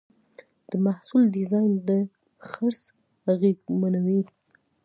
د محصول ډیزاین د خرڅ اغېزمنوي.